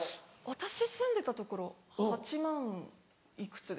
私住んでたところ８万いくつでした。